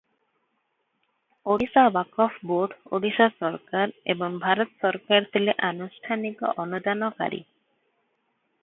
Odisha Waqf board, Odisha ସରକାର ଏବଂ ଭାରତ ସରକାର ଥିଲେ ଆନୁଷ୍ଠାନିକ ଅନୁଦାନକାରୀ ।